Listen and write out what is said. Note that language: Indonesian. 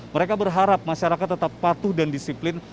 mereka berharap masyarakat tetap patuh dan disiplin